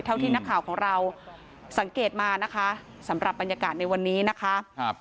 ที่นักข่าวของเราสังเกตมานะคะสำหรับบรรยากาศในวันนี้นะคะครับ